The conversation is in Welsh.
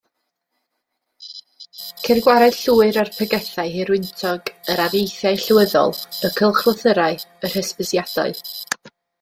Ceir gwared llwyr o'r pregethau hirwyntog, yr areithiau llywyddol, y cylchlythyrau, yr hysbysiadau.